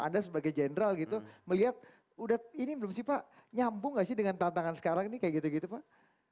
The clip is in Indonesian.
anda sebagai jenderal gitu melihat udah ini belum sih pak nyambung gak sih dengan tantangan sekarang nih kayak gitu gitu pak